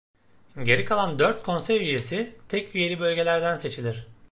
Geri kalan dört konsey üyesi tek üyeli bölgelerden seçilir.